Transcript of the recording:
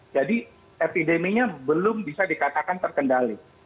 jadi epideminya belum bisa dikatakan terkendali